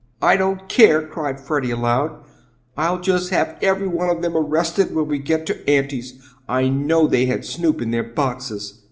"I don't care!" cried Freddie, aloud, "I'll just have every one of them arrested when we get to Auntie's. I knowed they had Snoop in their boxes."